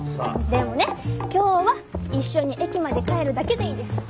でもね今日は一緒に駅まで帰るだけでいいです。